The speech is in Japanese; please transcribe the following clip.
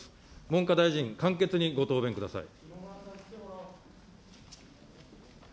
文科大臣、簡潔にご答弁ください。